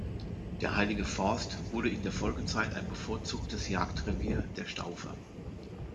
Der Heilige Forst wurde in der Folgezeit ein bevorzugtes Jagdrevier der Staufer.